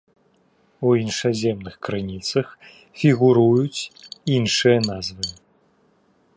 У іншаземных крыніцах фігуруюць іншыя назвы.